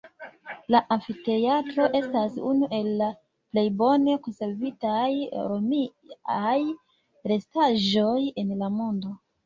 La amfiteatro estas unu el la plej bone konservitaj romiaj restaĵoj en la mondo.